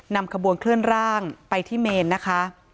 นำขบวนเคลื่อนร่างไปที่เมนนะคะ